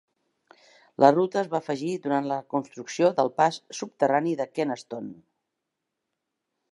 La ruta es va afegir durant la construcció del pas subterrani de Kenaston.